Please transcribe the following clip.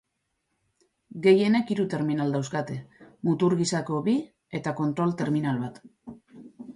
Gehienek hiru terminal dauzkate: mutur gisako bi eta kontrol-terminal bat.